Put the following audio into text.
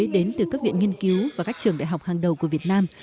đến từ các viện nghiên cứu và các trường đại học hàng đầu của việt nam